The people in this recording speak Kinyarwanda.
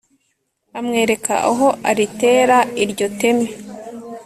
amwereka aho aritera iryo teme.